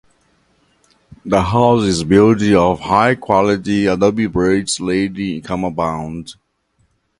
The house is built of high quality adobe bricks laid in common bond.